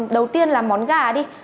đầu tiên là món gà đi